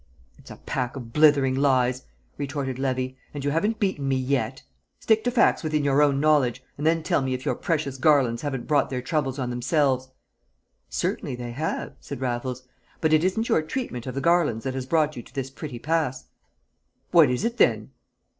"It's a pack of blithering lies," retorted Levy, "and you haven't beaten me yet. Stick to facts within your own knowledge, and then tell me if your precious Garlands haven't brought their troubles on themselves?" "Certainly they have," said Raffles. "But it isn't your treatment of the Garlands that has brought you to this pretty pass." "What is it, then?"